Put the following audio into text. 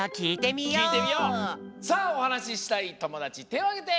さあおはなししたいともだちてをあげて！